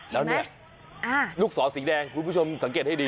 แล้วเนี่ยลูกศรสีแดงคุณผู้ชมสังเกตให้ดี